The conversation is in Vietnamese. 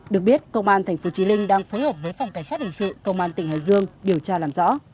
được biết công an tp chí linh đang phối hợp với phòng cảnh sát hình sự công an tỉnh hải dương điều tra làm rõ